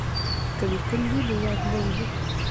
که لیکل وي نو یاد نه وځي.